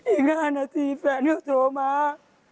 อีก๕นาทีแฟนเขาโทรมา